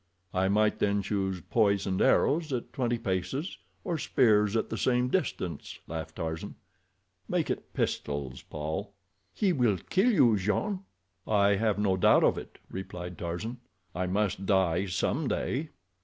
"I might then choose poisoned arrows at twenty paces, or spears at the same distance," laughed Tarzan. "Make it pistols, Paul." "He will kill you, Jean." "I have no doubt of it," replied Tarzan. "I must die some day."